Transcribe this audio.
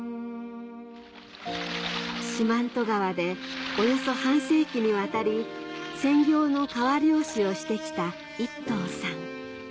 四万十川でおよそ半世紀にわたり専業の川漁師をしてきた一藤さん